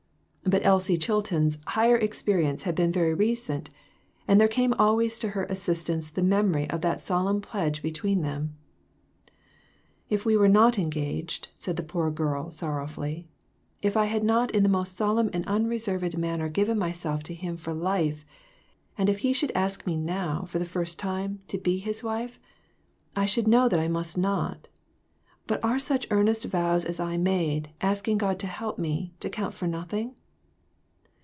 But Elsie Chilton's higher experience had been very recent, and there came always to her assist ance the memory of that solemn pledge between them. "If we were not engaged," said the poor girl, sorrowfully; "if I had not in the most solemn and unreserved manner given myself to him for life, and if he should ask me now, for the first time, to be his wife, I should know that I must not ; but are such earnest vows as I made, asking God to help me, to count for nothing?"